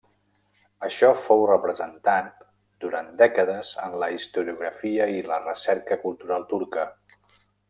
Això fou representat durant dècades en la historiografia i la recerca cultural turca.